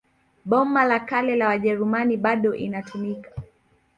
Boma la Kale la Wajerumani bado inatumika.